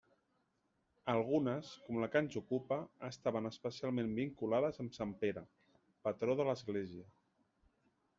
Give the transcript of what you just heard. Algunes, com la que ens ocupa, estaven especialment vinculades amb sant Pere, patró de l'església.